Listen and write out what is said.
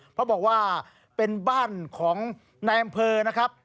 เพราะบอกว่าเป็นบ้านของนายอำเภอนะครับ